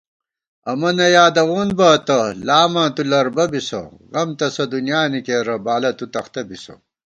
امہ نہ یادَوون بہ اتہ ، لاماں تُو لربہ بِسہ * غم تسہ دُنیانی کېرہ بالہ تُو تختہ بِسہ